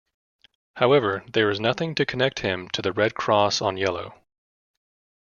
However, there is nothing to connect him to the red cross on yellow.